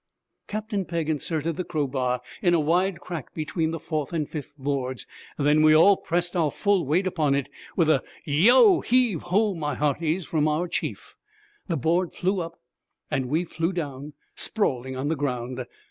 Captain Pegg inserted the crowbar in a wide crack between the fourth and fifth boards, then we all pressed our full weight upon it with a 'Yo heave ho, my hearties!' from our chief. The board flew up and we flew down, sprawling on the ground.